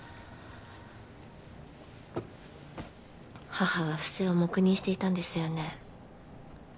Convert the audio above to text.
母は不正を黙認していたんですよね？